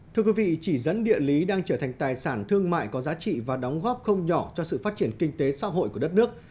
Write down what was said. thưa quý vị chỉ dẫn địa lý đang trở thành tài sản thương mại có giá trị và đóng góp không nhỏ cho sự phát triển kinh tế xã hội của đất nước